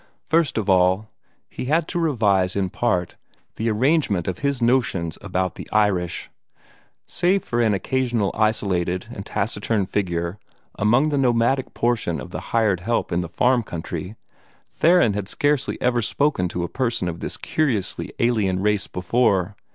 First of all, he had to revise in part the arrangement of his notions about the Irish. Save for an occasional isolated and taciturn figure among the nomadic portion of the hired help in the farm country, Theron had scarcely ever spoken to a person of this curiously alien race before.